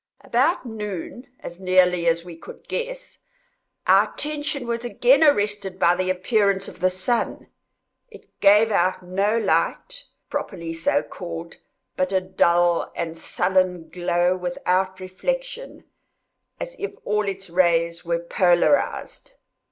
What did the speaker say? About noon, as nearly as we could guess, our attention was again arrested by the appearance of the sun. It gave out no light, properly so called, but a dull and sullen glow without reflection, as if all its rays were polarized.